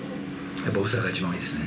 やっぱ大阪が一番多いですね。